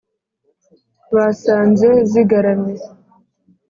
Basanze zigaramye,